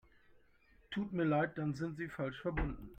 Tut mir leid, dann sind Sie falsch verbunden.